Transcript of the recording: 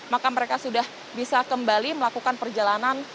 maka mereka sudah bisa kembali melakukan perjalanan